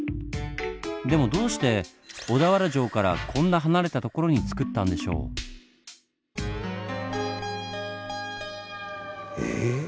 でもどうして小田原城からこんな離れた所につくったんでしょう？え？